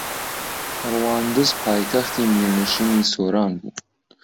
ڕەواندز پایتەختی میرنشینی سۆران بوو